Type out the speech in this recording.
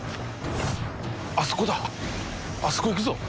あそこだあそこ行くぞ。